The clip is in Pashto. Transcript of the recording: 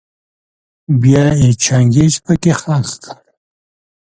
بيا يې چنګېز پکي خښ کړ.